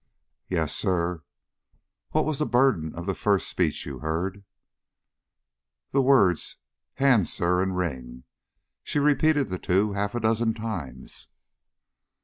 "Yes, sir." "What was the burden of the first speech you heard?" "The words Hand, sir, and Ring. She repeated the two half a dozen times."